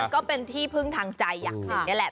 มันก็เป็นที่พึ่งทางใจอย่างนี้แหละ